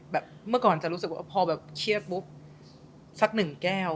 เมื่อก่อนจะรู้สึกว่าพอแบบเครียดปุ๊บสักหนึ่งแก้ว